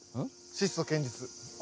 「質素堅実」。